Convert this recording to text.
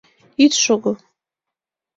ит шого.